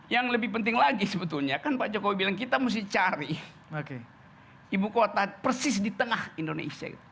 yang lebih penting lagi sebetulnya kan pak jokowi bilang kita mesti cari ibu kota persis di tengah indonesia